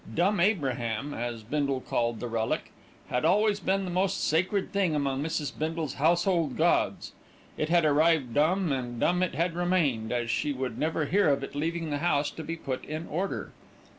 Dumb Abraham, as Bindle called the relic, had always been the most sacred among Mrs. Bindle's household gods. It had arrived dumb, and dumb it had remained, as she would never hear of it leaving the house to be put in order.